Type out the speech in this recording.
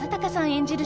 演じる